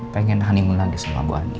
pengen honeymoon lagi sama bu andi